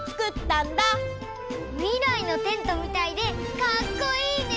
みらいのテントみたいでかっこいいね！